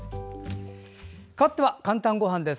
かわって「かんたんごはん」です。